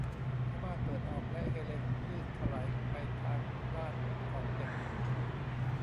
ผ้าม่านเปิดออก และเฮเลนลื่นไถลไปทางด้านของเด็กหญิง